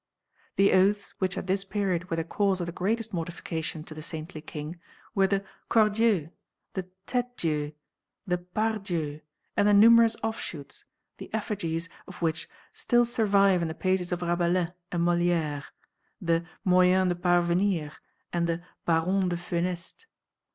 The oaths which at this period were the cause of the greatest mortification to the saintly king were the cordieus, the têtedieus, the pardieus and the numerous offshoots, the effigies of which still survive in the pages of Rabelais and Molière the "Moyen de Parvenir" and the "Baron de Foeneste".